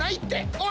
おい！